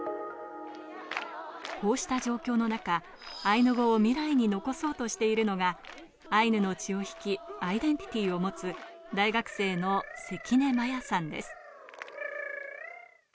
こうした状況の中、アイヌ語を未来に残そうとしているのがアイヌの血を引き、アイデンティティーを持つ大学生の関根摩耶さんです。